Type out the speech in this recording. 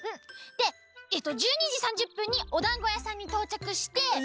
でえっと１２じ３０ぷんにおだんごやさんにとうちゃくして。